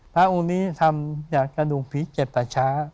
พระองค์นี้ทำจากกระดูกผีเจ็ดป่าช้า